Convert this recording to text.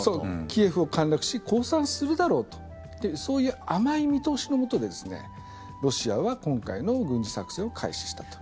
キエフを陥落し降参するだろうとそういう甘い見通しのもとでロシアは今回の軍事作戦を開始したと。